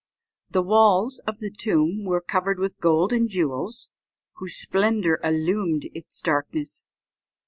The walls of the tomb were covered with gold and jewels, whose splendour illumined its darkness.